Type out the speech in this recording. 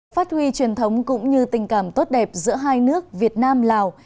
phát huy truyền thống cũng như tình cảm tốt đẹp giữa hai nước việt nam lào